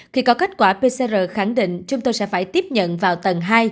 khi có kết quả pcr khẳng định chúng tôi sẽ phải tiếp nhận vào tầng hai